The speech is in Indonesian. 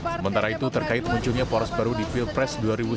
sementara itu terkait munculnya poros baru di pilpres dua ribu sembilan belas